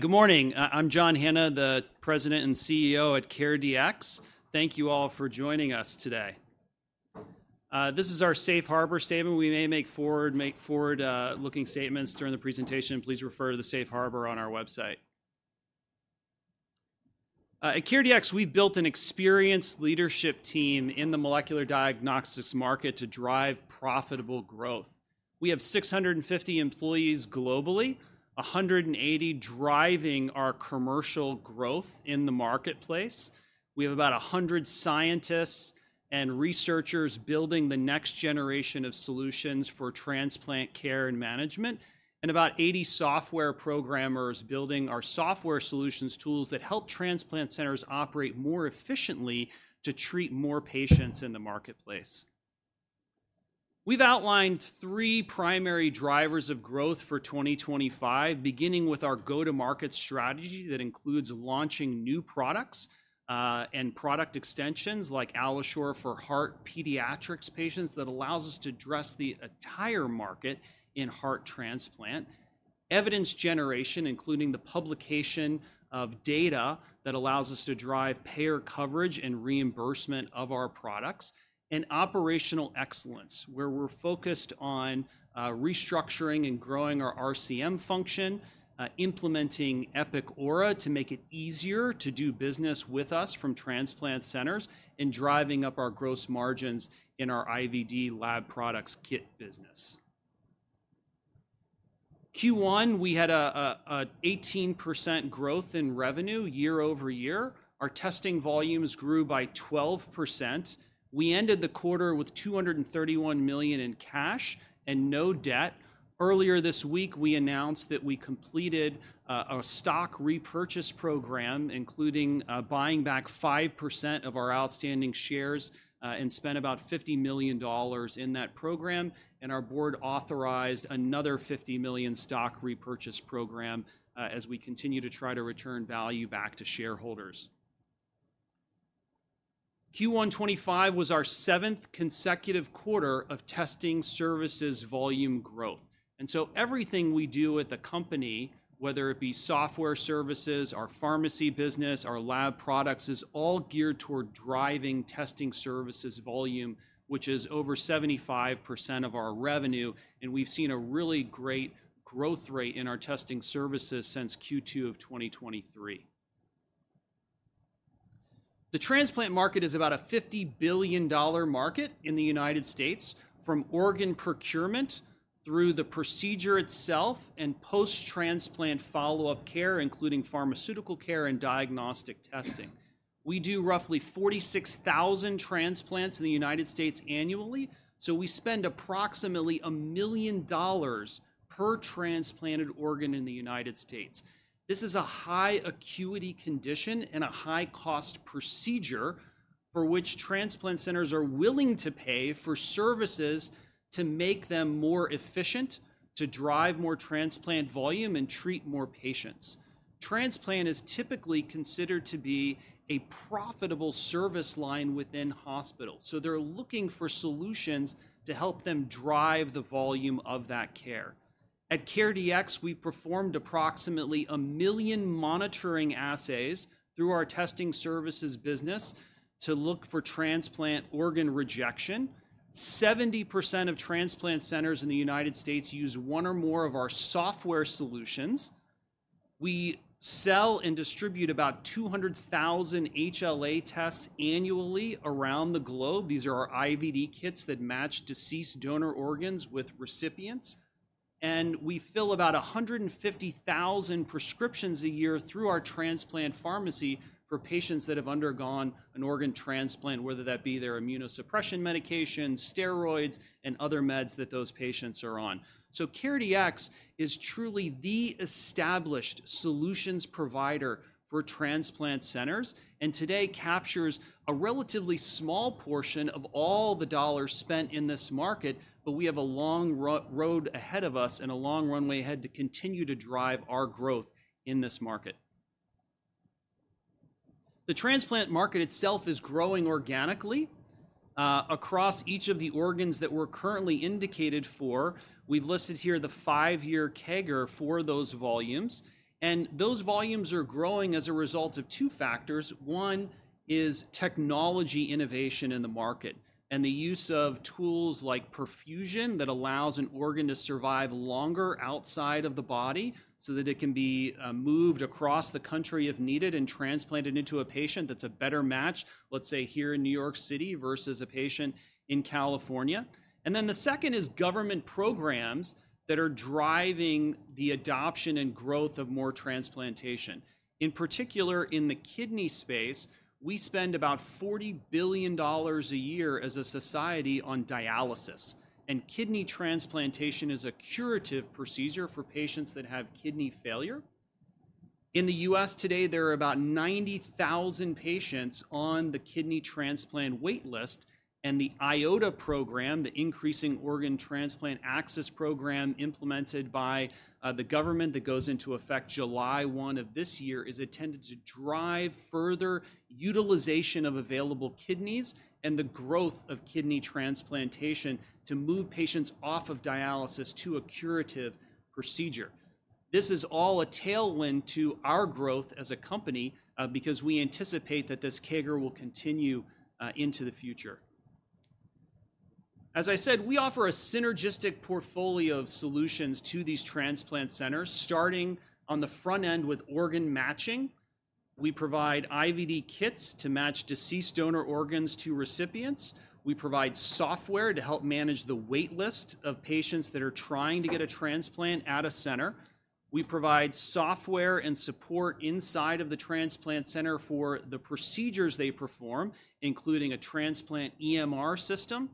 Good morning. I'm John Hanna, the President and CEO at CareDx. Thank you all for joining us today. This is our safe harbor statement. We make forward-looking statements during the presentation. Please refer to the Safe Harbor on our website. At CareDx, we've built an experienced leadership team in the molecular diagnostics market to drive profitable growth. We have 650 employees globally, 180 driving our commercial growth in the marketplace. We have about 100 scientists and researchers building the next generation of solutions for transplant care and management, and about 80 software programmers building our software solutions tools that help transplant centers operate more efficiently to treat more patients in the marketplace. We've outlined three primary drivers of growth for 2025, beginning with our go-to-market strategy that includes launching new products and product extensions like AlloSure for heart pediatrics patients that allows us to address the entire market in heart transplant, evidence generation, including the publication of data that allows us to drive payer coverage and reimbursement of our products, and operational excellence, where we're focused on restructuring and growing our RCM function, implementing Epic Aura to make it easier to do business with us from transplant centers, and driving up our gross margins in our IVD lab products kit business. Q1, we had an 18% growth in revenue year-over-year. Our testing volumes grew by 12%. We ended the quarter with $231 million in cash and no debt. Earlier this week, we announced that we completed a stock repurchase program, including buying back 5% of our outstanding shares and spent about $50 million in that program. Our board authorized another $50 million stock repurchase program as we continue to try to return value back to shareholders. Q1 2025 was our seventh consecutive quarter of testing services volume growth. Everything we do at the company, whether it be software services, our pharmacy business, our lab products, is all geared toward driving testing services volume, which is over 75% of our revenue. We have seen a really great growth rate in our testing services since Q2 of 2023. The transplant market is about a $50-billion market in the United States, from organ procurement through the procedure itself and post-transplant follow-up care, including pharmaceutical care and diagnostic testing. We do roughly 46,000 transplants in the United States annually, so we spend approximately $1 million per transplanted organ in the United States. This is a high-acuity condition and a high-cost procedure for which transplant centers are willing to pay for services to make them more efficient, to drive more transplant volume, and treat more patients. Transplant is typically considered to be a profitable service line within hospitals, so they're looking for solutions to help them drive the volume of that care. At CareDx, we performed approximately 1 million monitoring assays through our testing services business to look for transplant organ rejection. 70% of transplant centers in the United States use one or more of our software solutions. We sell and distribute about 200,000 HLA tests annually around the globe. These are our IVD kits that match deceased donor organs with recipients. We fill about 150,000 prescriptions a year through our transplant pharmacy for patients that have undergone an organ transplant, whether that be their immunosuppression medications, steroids, and other meds that those patients are on. CareDx is truly the established solutions provider for transplant centers and today captures a relatively small portion of all the dollars spent in this market, but we have a long road ahead of us and a long runway ahead to continue to drive our growth in this market. The transplant market itself is growing organically across each of the organs that we're currently indicated for. We've listed here the five-year CAGR for those volumes. Those volumes are growing as a result of two factors. One is technology innovation in the market and the use of tools like perfusion that allows an organ to survive longer outside of the body so that it can be moved across the country if needed and transplanted into a patient that's a better match, let's say here in New York City versus a patient in California. The second is government programs that are driving the adoption and growth of more transplantation. In particular, in the kidney space, we spend about $40 billion a year as a society on dialysis. Kidney transplantation is a curative procedure for patients that have kidney failure. In the U.S. today, there are about 90,000 patients on the kidney transplant waitlist. The IOTA program, the Increasing Organ Transplant Access program implemented by the government that goes into effect July 1 of this year, is intended to drive further utilization of available kidneys and the growth of kidney transplantation to move patients off of dialysis to a curative procedure. This is all a tailwind to our growth as a company because we anticipate that this CAGR will continue into the future. As I said, we offer a synergistic portfolio of solutions to these transplant centers, starting on the front end with organ matching. We provide IVD kits to match deceased donor organs to recipients. We provide software to help manage the waitlist of patients that are trying to get a transplant at a center. We provide software and support inside of the transplant center for the procedures they perform, including a transplant EMR system.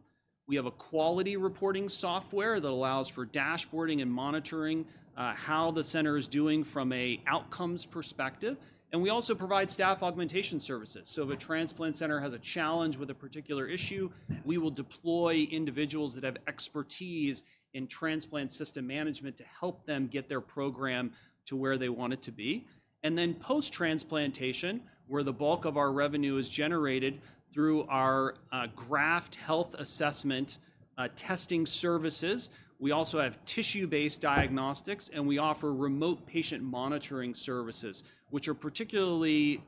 We have a quality-reporting software that allows for dashboarding and monitoring how the center is doing from an outcomes perspective. We also provide staff augmentation services. If a transplant center has a challenge with a particular issue, we will deploy individuals that have expertise in transplant system management to help them get their program to where they want it to be. Post-transplantation, where the bulk of our revenue is generated through our graft health assessment testing services, we also have tissue-based diagnostics, and we offer remote patient monitoring services, which are particularly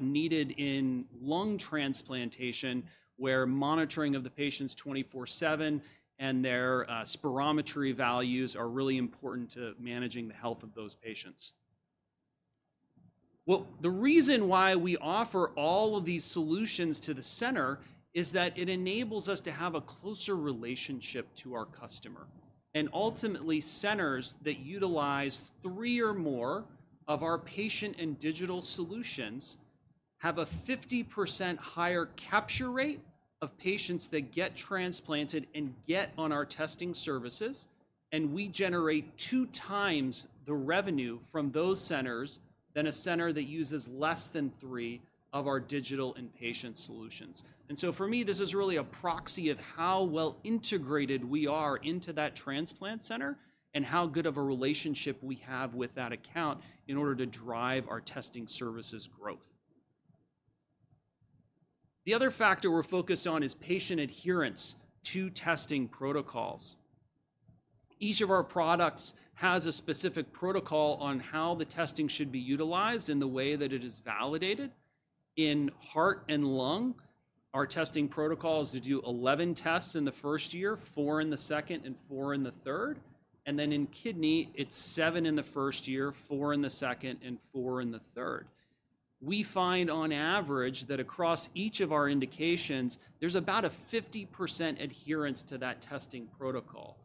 needed in lung transplantation, where monitoring of the patients 24/7 and their spirometry values are really important to managing the health of those patients. The reason why we offer all of these solutions to the center is that it enables us to have a closer relationship to our customer. Ultimately, centers that utilize three or more of our patient and digital solutions have a 50% higher capture rate of patients that get transplanted and get on our testing services. We generate two times the revenue from those centers than a center that uses less than three of our digital and patient solutions. For me, this is really a proxy of how well integrated we are into that transplant center and how good of a relationship we have with that account in order to drive our testing services growth. The other factor we're focused on is patient adherence to testing protocols. Each of our products has a specific protocol on how the testing should be utilized and the way that it is validated. In heart and lung, our testing protocol is to do 11 tests in the first year, four in the second, and four in the third. In kidney, it is seven in the first year, four in the second, and four in the third. We find on average that across each of our indications, there is about a 50% adherence to that testing protocol.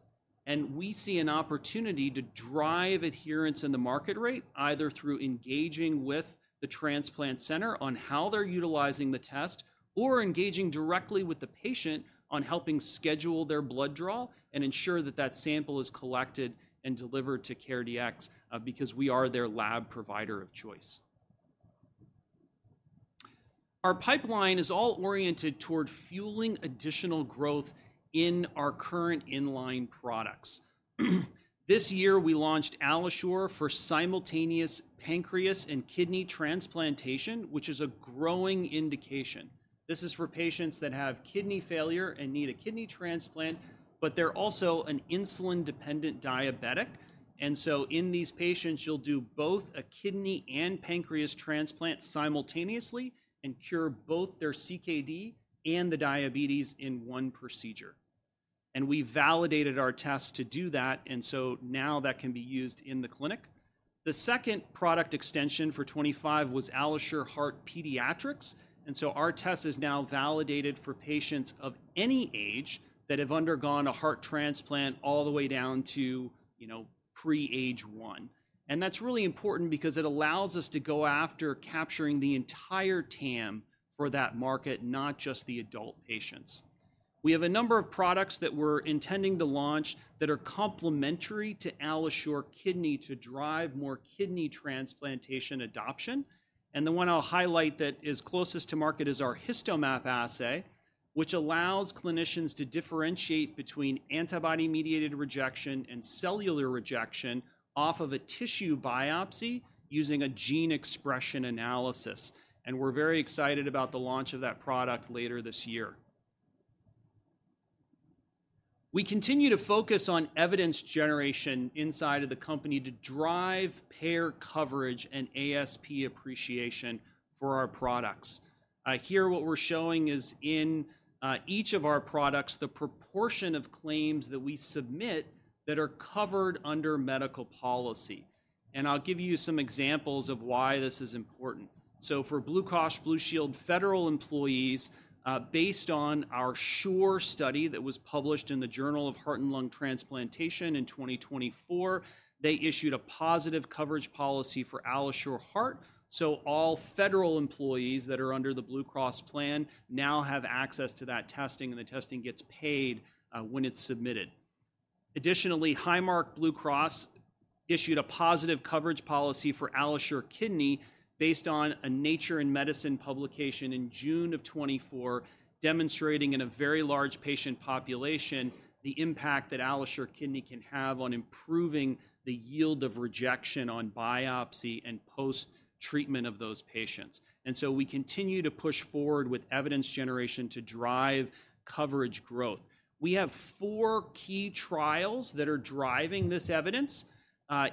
We see an opportunity to drive adherence in the market rate, either through engaging with the transplant center on how they are utilizing the test or engaging directly with the patient on helping schedule their blood draw and ensure that the sample is collected and delivered to CareDx because we are their lab provider of choice. Our pipeline is all oriented toward fueling additional growth in our current inline products. This year, we launched AlloSure for simultaneous pancreas and kidney transplantation, which is a growing indication. This is for patients that have kidney failure and need a kidney transplant, but they're also an insulin-dependent diabetic. In these patients, you'll do both a kidney and pancreas transplant simultaneously and cure both their CKD and the diabetes in one procedure. We validated our tests to do that, and now that can be used in the clinic. The second product extension for 2025 was AlloSure Heart Pediatrics. Our test is now validated for patients of any age that have undergone a heart transplant all the way down to pre-age one. That is really important because it allows us to go after capturing the entire TAM for that market, not just the adult patients. We have a number of products that we're intending to launch that are complementary to AlloSure Kidney to drive more kidney transplantation adoption. The one I'll highlight that is closest to market is our HistoMap assay, which allows clinicians to differentiate between antibody-mediated rejection and cellular rejection off of a tissue biopsy using a gene expression analysis. We're very excited about the launch of that product later this year. We continue to focus on evidence generation inside of the company to drive payer coverage and ASP appreciation for our products. Here, what we're showing is in each of our products, the proportion of claims that we submit that are covered under medical policy. I'll give you some examples of why this is important. For Blue Cross Blue Shield federal employees, based on our SHORE study that was published in the Journal of Heart and Lung Transplantation in 2024, they issued a positive coverage policy for AlloSure Heart. All federal employees that are under the Blue Cross plan now have access to that testing, and the testing gets paid when it's submitted. Additionally, Highmark Blue Cross issued a positive coverage policy for AlloSure Kidney based on a Nature in Medicine publication in June of 2024, demonstrating in a very large patient population the impact that AlloSure Kidney can have on improving the yield of rejection on biopsy and post-treatment of those patients. We continue to push forward with evidence generation to drive coverage growth. We have four key trials that are driving this evidence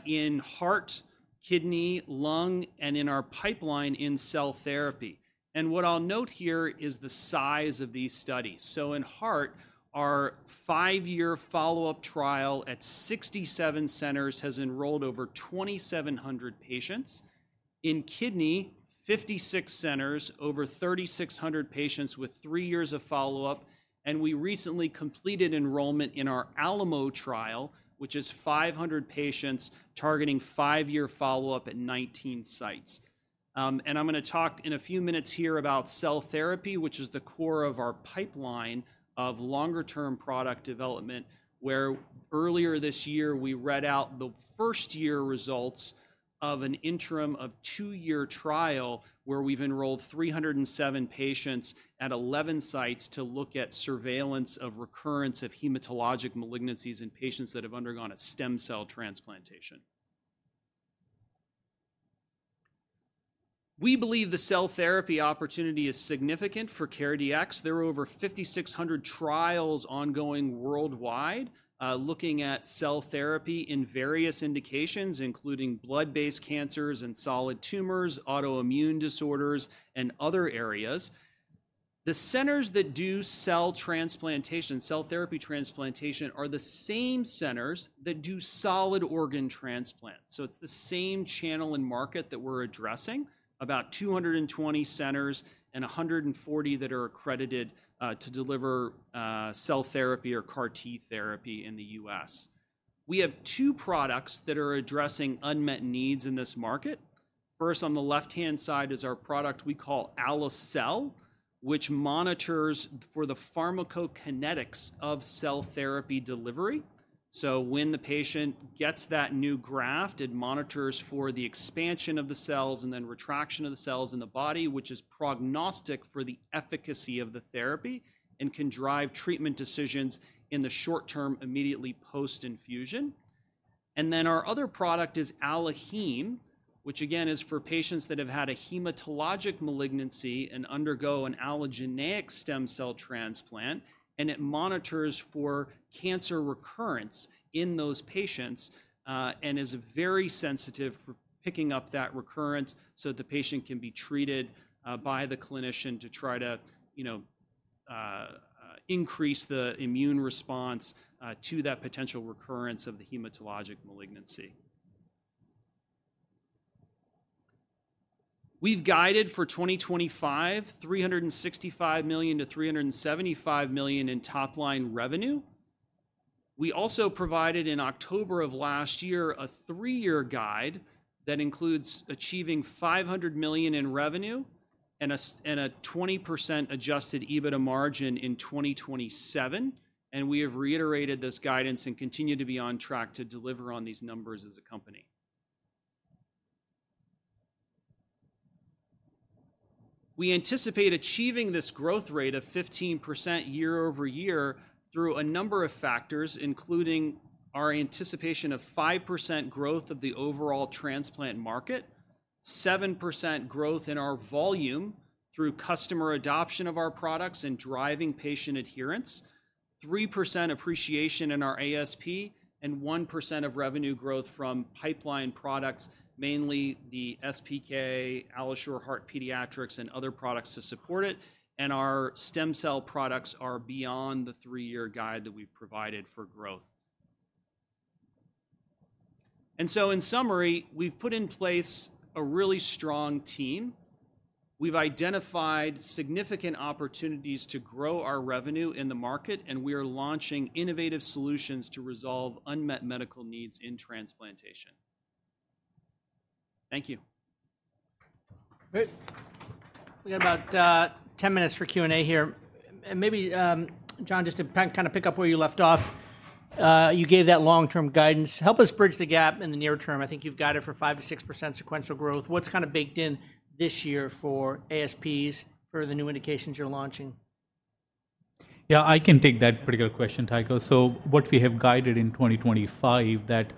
in heart, kidney, lung, and in our pipeline in cell therapy. What I'll note here is the size of these studies. In heart, our five-year follow-up trial at 67 centers has enrolled over 2,700 patients. In kidney, 56 centers, over 3,600 patients with three years of follow-up. We recently completed enrollment in our ALAMO trial, which is 500 patients targeting five-year follow-up at 19 sites. I'm going to talk in a few minutes here about cell therapy, which is the core of our pipeline of longer-term product development, where earlier this year, we read out the first-year results of an interim of two-year trial where we've enrolled 307 patients at 11 sites to look at surveillance of recurrence of hematologic malignancies in patients that have undergone a stem cell transplantation. We believe the cell therapy opportunity is significant for CareDx. There are over 5,600 trials ongoing worldwide looking at cell therapy in various indications, including blood-based cancers and solid tumors, autoimmune disorders, and other areas. The centers that do cell transplantation, cell therapy transplantation, are the same centers that do solid organ transplants. It's the same channel and market that we're addressing, about 220 centers and 140 that are accredited to deliver cell therapy or CAR T therapy in the U.S. We have two products that are addressing unmet needs in this market. First, on the left-hand side is our product we call AlloCell, which monitors for the pharmacokinetics of cell therapy delivery. When the patient gets that new graft, it monitors for the expansion of the cells and then retraction of the cells in the body, which is prognostic for the efficacy of the therapy and can drive treatment decisions in the short term, immediately post-infusion. Our other product is AlloHeme, which again is for patients that have had a hematologic malignancy and undergo an allogeneic stem cell transplant. It monitors for cancer recurrence in those patients and is very sensitive for picking up that recurrence so that the patient can be treated by the clinician to try to increase the immune response to that potential recurrence of the hematologic malignancy. We have guided for 2025, $365 million-$375 million in top-line revenue. We also provided in October of last year a three-year guide that includes achieving $500 million in revenue and a 20% adjusted EBITDA margin in 2027. We have reiterated this guidance and continue to be on track to deliver on these numbers as a company. We anticipate achieving this growth rate of 15% year-over-year through a number of factors, including our anticipation of 5% growth of the overall transplant market, 7% growth in our volume through customer adoption of our products and driving patient adherence, 3% appreciation in our ASP, and 1% of revenue growth from pipeline products, mainly the SPK, AlloSure Heart Pediatrics, and other products to support it. Our stem cell products are beyond the three-year guide that we've provided for growth. In summary, we've put in place a really strong team. We've identified significant opportunities to grow our revenue in the market, and we are launching innovative solutions to resolve unmet medical needs in transplantation. Thank you. Great. We got about 10 minutes for Q&A here. Maybe, John, just to kind of pick up where you left off, you gave that long-term guidance. Help us bridge the gap in the near term. I think you've guided for 5%-6% sequential growth. What's kind of baked in this year for ASPs for the new indications you're launching? Yeah, I can take that particular question, [Taika]. What we have guided in 2025, that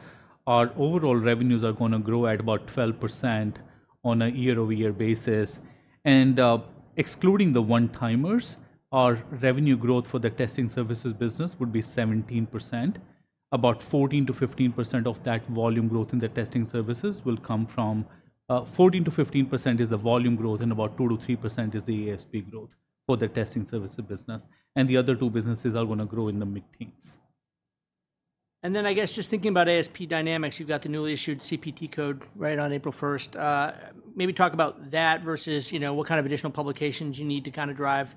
our overall revenues are going to grow at about 12% on a year-over-year basis. Excluding the one-timers, our revenue growth for the testing services business would be 17%. About 14%-15% of that volume growth in the testing services will come from, 14%-15% is the volume growth, and about 2%-3% is the ASP growth for the testing services business. The other two businesses are going to grow in the mid-teens. I guess just thinking about ASP dynamics, you've got the newly issued CPT code right on April 1st. Maybe talk about that versus what kind of additional publications you need to kind of drive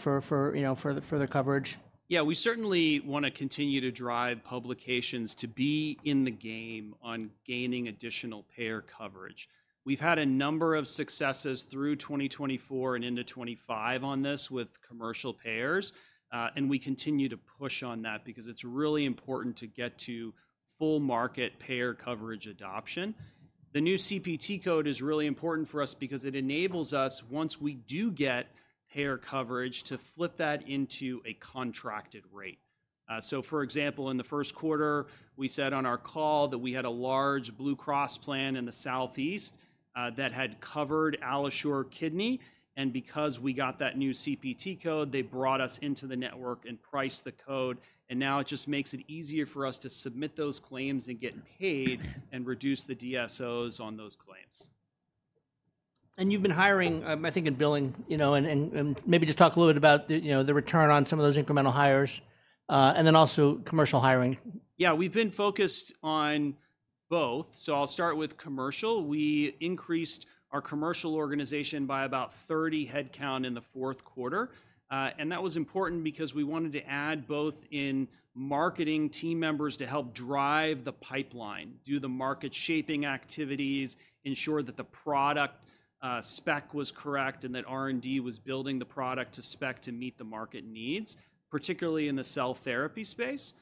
for further coverage. Yeah, we certainly want to continue to drive publications to be in the game on gaining additional payer coverage. We've had a number of successes through 2024 and into 2025 on this with commercial payers. We continue to push on that because it's really important to get to full market payer coverage adoption. The new CPT code is really important for us because it enables us, once we do get payer coverage, to flip that into a contracted rate. For example, in the first quarter, we said on our call that we had a large Blue Cross plan in the Southeast that had covered AlloSure Kidney. Because we got that new CPT code, they brought us into the network and priced the code. Now it just makes it easier for us to submit those claims and get paid and reduce the DSOs on those claims. You have been hiring, I think in billing, and maybe just talk a little bit about the return on some of those incremental hires, and then also commercial hiring. Yeah, we've been focused on both. I'll start with commercial. We increased our commercial organization by about 30 headcount in the fourth quarter. That was important because we wanted to add both in marketing team members to help drive the pipeline, do the market-shaping activities, ensure that the product spec was correct, and that R&D was building the product to spec to meet the market needs, particularly in the cell therapy space.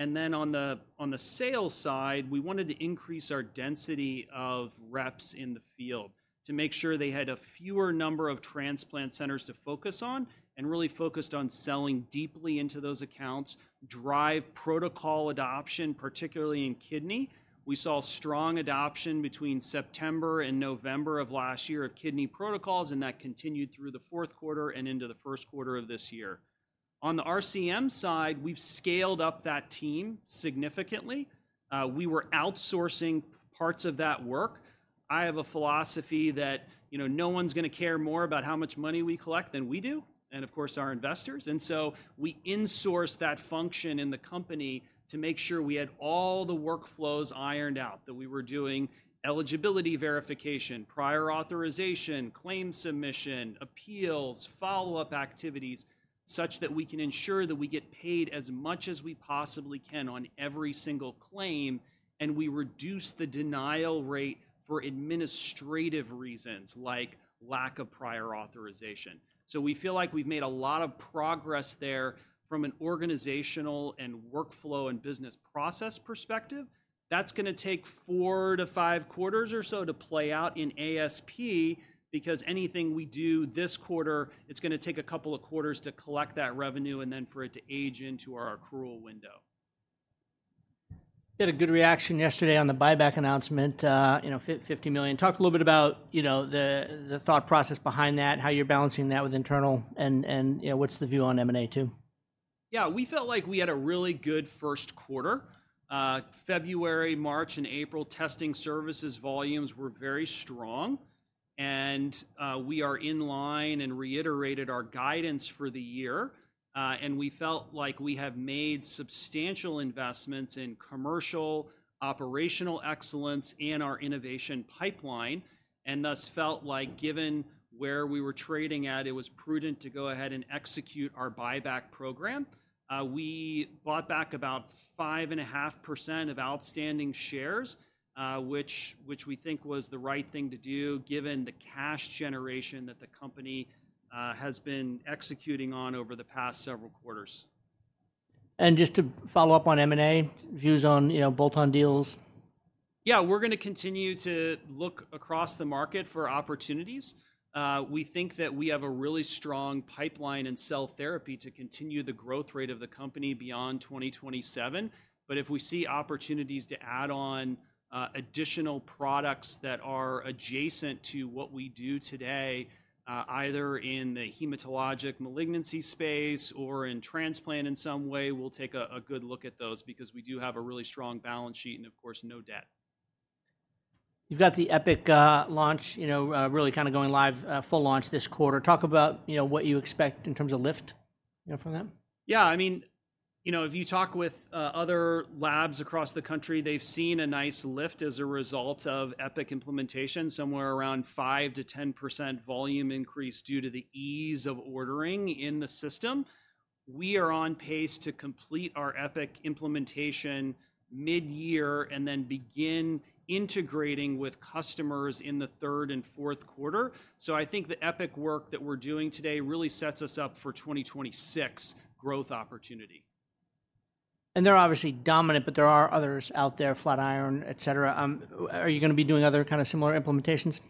On the sales side, we wanted to increase our density of reps in the field to make sure they had a fewer number of transplant centers to focus on and really focused on selling deeply into those accounts, drive protocol adoption, particularly in kidney. We saw strong adoption between September and November of last year of kidney protocols, and that continued through the fourth quarter and into the first quarter of this year. On the RCM side, we've scaled up that team significantly. We were outsourcing parts of that work. I have a philosophy that no one's going to care more about how much money we collect than we do, and of course, our investors. We insourced that function in the company to make sure we had all the workflows ironed out that we were doing: eligibility verification, prior authorization, claim submission, appeals, follow-up activities, such that we can ensure that we get paid as much as we possibly can on every single claim, and we reduce the denial rate for administrative reasons like lack of prior authorization. We feel like we've made a lot of progress there from an organizational and workflow and business process perspective. That's going to take four to five quarters or so to play out in ASP because anything we do this quarter, it's going to take a couple of quarters to collect that revenue and then for it to age into our accrual window. You had a good reaction yesterday on the buyback announcement, $50 million. Talk a little bit about the thought process behind that, how you're balancing that with internal, and what's the view on M&A too? Yeah, we felt like we had a really good first quarter. February, March, and April, testing services volumes were very strong. We are in line and reiterated our guidance for the year. We felt like we have made substantial investments in commercial operational excellence and our innovation pipeline. We thus felt like given where we were trading at, it was prudent to go ahead and execute our buyback program. We bought back about 5.5% of outstanding shares, which we think was the right thing to do given the cash generation that the company has been executing on over the past several quarters. Just to follow up on M&A, views on bolt-on deals? Yeah, we're going to continue to look across the market for opportunities. We think that we have a really strong pipeline and cell therapy to continue the growth rate of the company beyond 2027. If we see opportunities to add on additional products that are adjacent to what we do today, either in the hematologic malignancy space or in transplant in some way, we'll take a good look at those because we do have a really strong balance sheet and, of course, no debt. You've got the Epic launch really kind of going live, full launch this quarter. Talk about what you expect in terms of lift from them. Yeah, I mean, if you talk with other labs across the country, they've seen a nice lift as a result of Epic implementation, somewhere around 5%-10% volume increase due to the ease of ordering in the system. We are on pace to complete our Epic implementation mid-year and then begin integrating with customers in the third and fourth quarter. I think the Epic work that we're doing today really sets us up for 2026 growth opportunity. They are obviously dominant, but there are others out there, Flatiron, et cetera. Are you going to be doing other kind of similar implementations?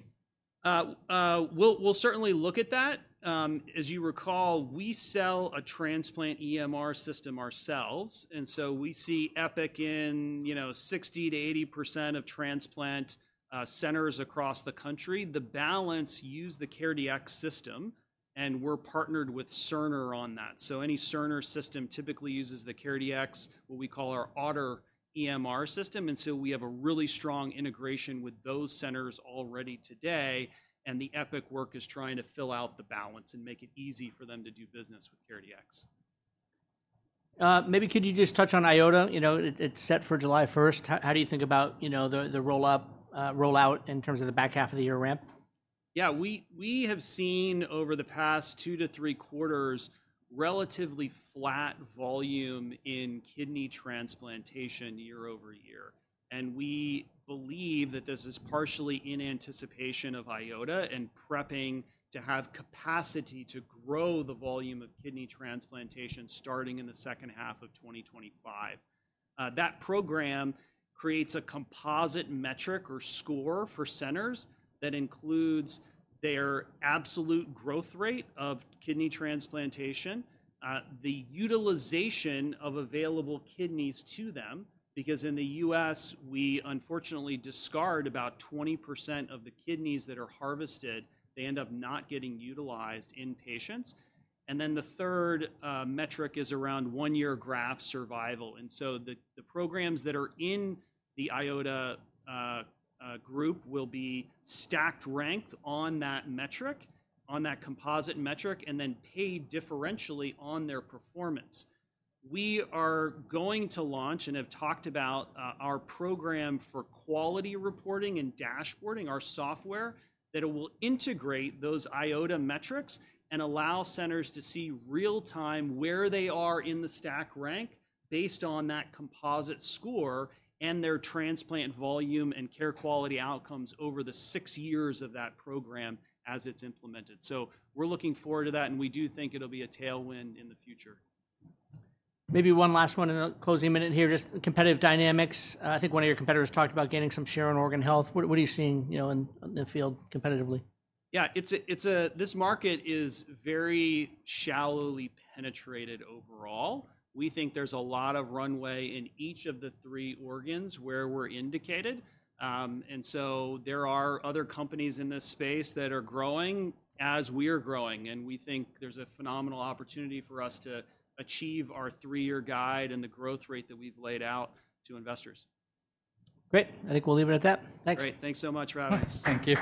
We'll certainly look at that. As you recall, we sell a transplant EMR system ourselves. We see Epic in 60%-80% of transplant centers across the country. The balance used the CareDx system, and we're partnered with Cerner on that. Any Cerner system typically uses the CareDx, what we call our Ottr EMR system. We have a really strong integration with those centers already today. The Epic work is trying to fill out the balance and make it easy for them to do business with CareDx. Maybe could you just touch on IOTA? It's set for July 1st. How do you think about the rollout in terms of the back half of the year ramp? Yeah, we have seen over the past two to three quarters relatively flat volume in kidney transplantation year-over-year. We believe that this is partially in anticipation of IOTA and prepping to have capacity to grow the volume of kidney transplantation starting in the second half of 2025. That program creates a composite metric or score for centers that includes their absolute growth rate of kidney transplantation, the utilization of available kidneys to them, because in the U.S., we unfortunately discard about 20% of the kidneys that are harvested. They end up not getting utilized in patients. The third metric is around one-year graft survival. The programs that are in the IOTA group will be stacked ranked on that metric, on that composite metric, and then paid differentially on their performance. We are going to launch and have talked about our program for quality reporting and dashboarding, our software, that it will integrate those IOTA metrics and allow centers to see real-time where they are in the stack rank based on that composite score and their transplant volume and care quality outcomes over the six years of that program as it's implemented. We are looking forward to that, and we do think it'll be a tailwind in the future. Maybe one last one in the closing minute here, just competitive dynamics. I think one of your competitors talked about gaining some share in organ health. What are you seeing in the field competitively? Yeah, this market is very shallowly penetrated overall. We think there's a lot of runway in each of the three organs where we're indicated. There are other companies in this space that are growing as we are growing. We think there's a phenomenal opportunity for us to achieve our three-year guide and the growth rate that we've laid out to investors. Great. I think we'll leave it at that. Thanks. Great. Thanks so much. Thank you.